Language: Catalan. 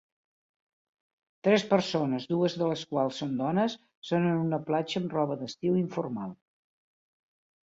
Tres persones, dues de les quals són dones, són en una platja amb roba d'estiu informal.